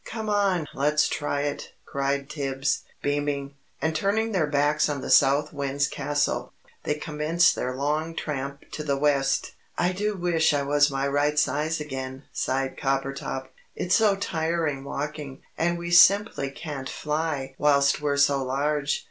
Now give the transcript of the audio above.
"Come on! Let's try it," cried Tibbs, beaming. And turning their backs on the South Wind's Castle, they commenced their long tramp to the West. "I do wish I was my right size again," sighed Coppertop. "It's so tiring walking, and we simply can't fly whilst we're so large."